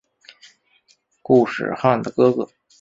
固始汗的哥哥。